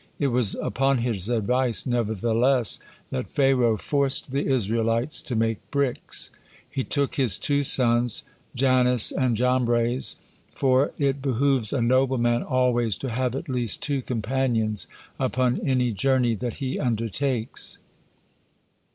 It was upon his advice, nevertheless, that Pharaoh forced the Israelites to make bricks. He took his two sons, Jannes and Jambres, for it behooves a noble man always to have at least two companions upon any journey that he undertakes.